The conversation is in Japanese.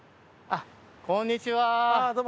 こんにちは。